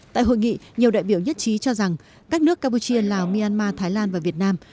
tại hội nghị nhiều đại biểu nhất trí cho rằng các nước campuchia lào myanmar thái lan và việt nam